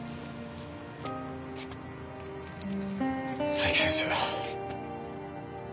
佐伯先生。